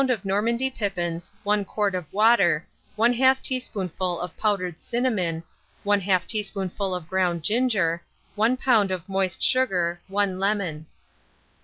of Normandy pippins, 1 quart of water, 1/2 teaspoonful of powdered cinnamon, 1/2 teaspoonful of ground ginger, 1 lb. of moist sugar, 1 lemon.